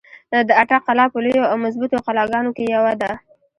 د اټک قلا په لويو او مضبوطو قلاګانو کښې يوه ده۔